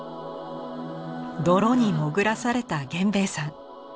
泥に潜らされた源兵衛さん